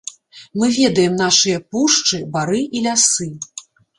Мы ведаем нашыя пушчы, бары і лясы.